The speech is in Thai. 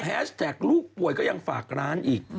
แท็กลูกป่วยก็ยังฝากร้านอีก